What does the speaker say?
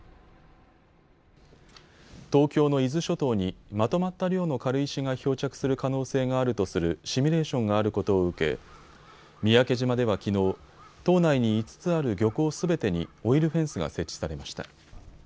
東京の伊豆諸島にまとまった量の軽石が漂着する可能性があるとするシミュレーションがあることを受け三宅島ではきのう島内に５つある漁港すべてにオイルフェンスが設置されました。